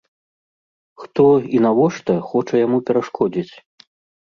Хто і навошта хоча яму перашкодзіць?